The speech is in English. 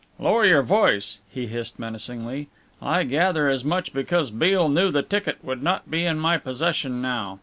"Lower your voice!" he hissed menacingly. "I gather as much because Beale knew the ticket would not be in my possession now.